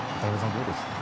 どうですか？